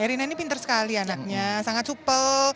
erina ini pinter sekali anaknya sangat supel